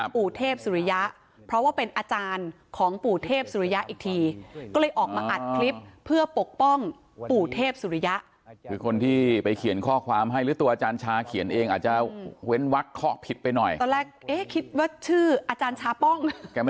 ปู่เทพสุริยะก็น่ะคือลูกศิษย์ของแก